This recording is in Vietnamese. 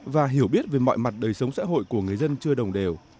và hiểu biết về mọi mặt đời sống xã hội của người dân chưa đồng đều